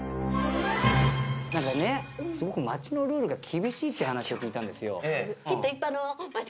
何かねすごく町のルールが厳しいって話を聞いたんですよ。